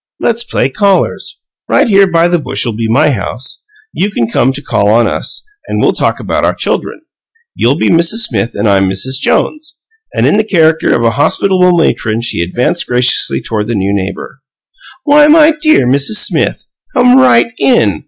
"Let's play callers. Right here by this bush 'll be my house. You come to call on me, an' we'll talk about our chuldren. You be Mrs. Smith an' I'm Mrs. Jones." And in the character of a hospitable matron she advanced graciously toward the new neighbor. "Why, my dear Mrs. SMITH, come right IN!